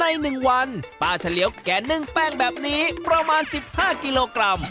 ในหนึ่งวันป้าเฉลียวแก่นึ่งแป้งแบบนี้ประมาณสิบห้ากิโลกรัม